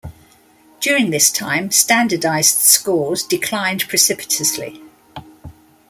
During this time, standardized scores declined precipitously.